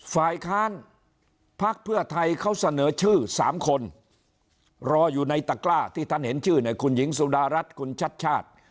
ฝ่ายค้านพักเพื่อไทยเขาเสนอชื่อ๓คนรออยู่ในตะกล้าที่ท่านเห็นชื่อเนี่ยคุณหญิงสุดารัฐคุณชัดชาติ